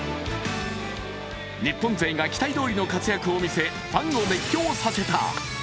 日本勢が期待どおりの活躍を見せファンを熱狂させた。